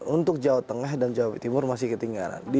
untuk jawa tengah dan jawa timur masih ketinggalan